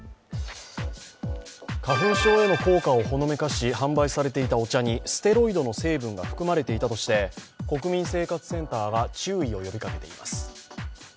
花粉症への効果をほのめかし販売されていたお茶にステロイドの成分が含まれていたとして国民生活センターが注意を呼びかけています。